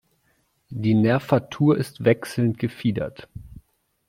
Die Nervatur ist wechselnd gefiedert.